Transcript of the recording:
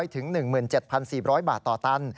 ถึง๑๗๔๐๐บาทต่อตัน